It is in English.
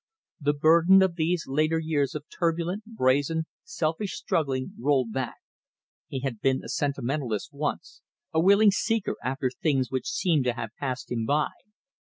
The burden of these later years of turbulent, brazen, selfish struggling, rolled back. He had been a sentimentalist once, a willing seeker after things which seemed to have passed him by.